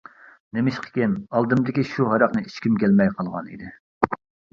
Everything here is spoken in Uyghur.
نېمىشقىكىن ئالدىمدىكى شۇ ھاراقنى ئىچكۈم كەلمەي قالغان ئىدى.